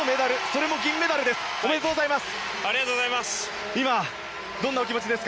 それも銀メダルです。